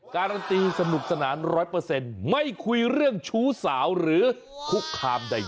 การันตีสนุกสนาน๑๐๐ไม่คุยเรื่องชู้สาวหรือคุกคามใด